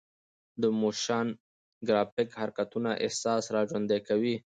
د موشن ګرافیک حرکتونه احساس راژوندي کوي.